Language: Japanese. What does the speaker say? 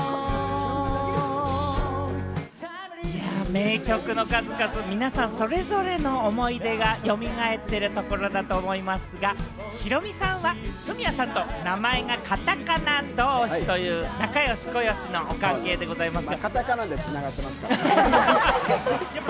名曲の数々、皆さんそれぞれの思い出がよみがえっているところだと思いますが、ヒロミさんはフミヤさんと名前がカタカナ同士という仲良しこよしのお関係でございますが。